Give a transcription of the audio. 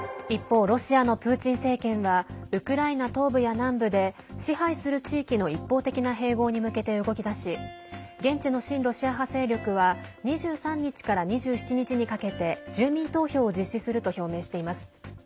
一方、ロシアのプーチン政権はウクライナ東部や南部で支配する地域の一方的な併合に向けて動き出し現地の親ロシア派勢力は２３日から２７日にかけて住民投票を実施すると表明しています。